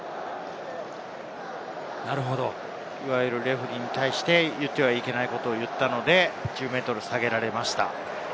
レフェリーに対して言ってはいけないことを言ったので、１０ｍ下げられました。